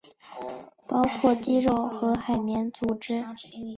包括肌肉和海绵组织。